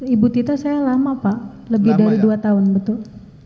ibu tito saya lama pak lebih dari dua tahun betul